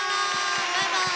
バイバイ！